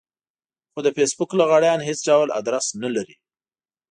خو د فېسبوک لغړيان هېڅ ډول ادرس نه لري.